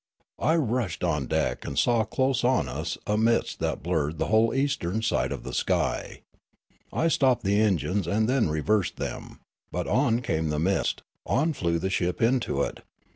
I rushed on deck and saw close on us a mist that blurred the whole eastern side of the sky. I stopped the engines and then reversed them. But on came the mist ; on flew the ship into it.